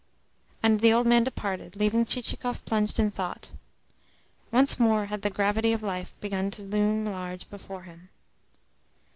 And the old man departed, leaving Chichikov plunged in thought. Once more had the gravity of life begun to loom large before him.